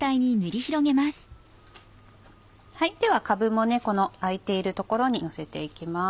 ではかぶもこのあいている所にのせていきます。